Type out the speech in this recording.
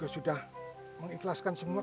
sudah mengikhlaskan semua